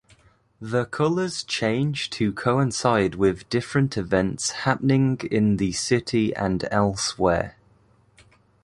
The colors change to coincide with different events happening in the city and elsewhere.